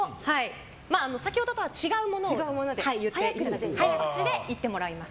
先ほどとは違うものを早口で言っていただきます。